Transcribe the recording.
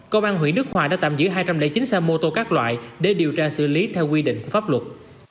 công an huyện đức hòa đã tạm giữ hai trăm linh chín xe mô tô các loại để điều tra xử lý theo quy định của pháp luật